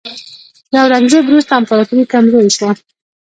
د اورنګزیب وروسته امپراتوري کمزورې شوه.